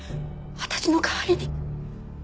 私の代わりに。